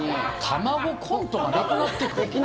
卵コントがなくなってくる？